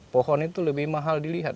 pohon itu lebih mahal dilihat